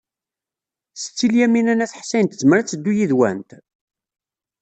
Setti Lyamina n At Ḥsayen tezmer ad teddu yid-went?